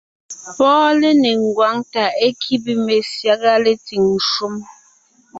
Pɔ́ɔn lénéŋ ngwáŋ tà é kíbe mezyága metsìŋ shúm.